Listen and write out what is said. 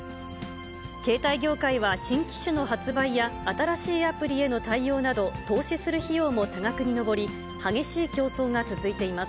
携帯業界は新機種の発売や新しいアプリへの対応など、投資する費用も多額に上り、激しい競争が続いています。